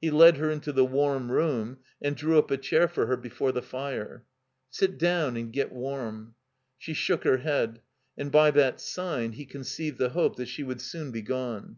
He led her into the warm room and drew up a chair for her before the fire. "Sit down and get warm." ohe shook her head ; and by that sign he conceived the hope that she would soon be gone.